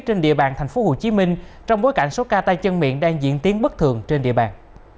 trên địa bàn tp hcm trong bối cảnh số ca tay chân miệng đang diễn tiến bất thường trên địa bàn